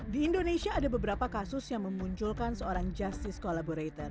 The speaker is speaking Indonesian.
di indonesia ada beberapa kasus yang memunculkan seorang justice collaborator